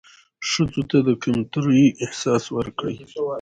ښځو ته د کمترۍ احساس ورکړى